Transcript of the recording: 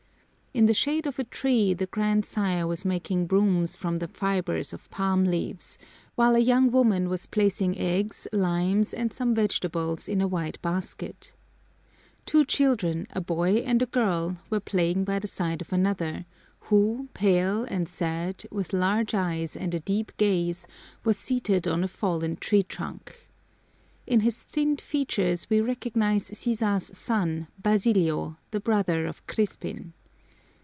In the shade of a tree the grandsire was making brooms from the fibers of palm leaves, while a young woman was placing eggs, limes, and some vegetables in a wide basket. Two children, a boy and a girl, were playing by the side of another, who, pale and sad, with large eyes and a deep gaze, was seated on a fallen tree trunk. In his thinned features we recognize Sisa's son, Basilio, the brother of Crispin.